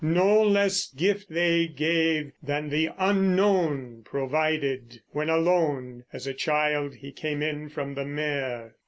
No less gift they gave than the Unknown provided, When alone, as a child, he came in from the mere.